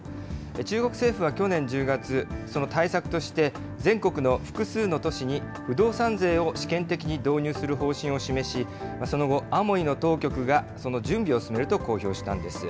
中国政府は去年１０月、その対策として、全国の複数の都市に不動産税を試験的に導入する方針を示し、その後、アモイの当局がその準備を進めると公表したんです。